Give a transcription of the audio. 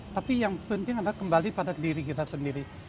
tapi yang penting adalah kembali pada diri kita sendiri